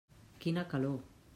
Quina calor.